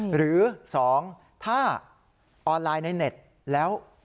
หรือ๒ถ้าออนไลน์ในเน็ตแล้ว